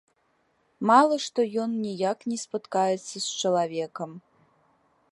Мала, што ён ніяк не спаткаецца з чалавекам.